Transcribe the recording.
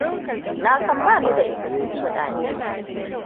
Na san bani da isassun kudade.